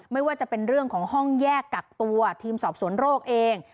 ไม่ว่าจะเป็นเรื่องของห้องแยกกักตัวทีมสอบสวนโรคเอง